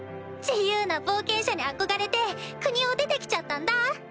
自由な冒険者に憧れて国を出て来ちゃったんだ！